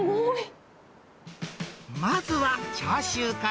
まずはチャーシューから。